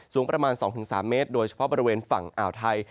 สูงประมาณ๒๓เมตรโดยเฉพาะบริเวณฝั่งอ่าวไทย